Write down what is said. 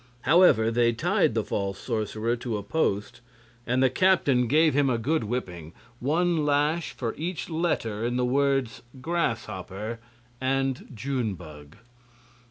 However, they tied the false sorcerer to a post, and the captain gave him a good whipping one lash for each letter in the words "grasshopper" and "June bug."